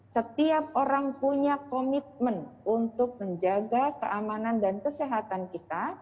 setiap orang punya komitmen untuk menjaga keamanan dan kesehatan kita